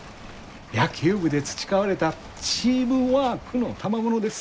野球部で培われたチームワークのたまものです。